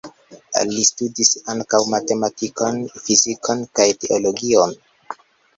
Li studis ankaŭ matematikon, fizikon kaj teologion.